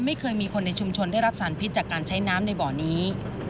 ไม่เคยมีคนในชุมชนได้รับสารพิษจากการใช้น้ำในบ่อนี้